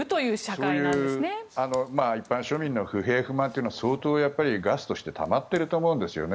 そういう一般庶民の不平不満は相当、ガスとしてたまっていると思うんですね。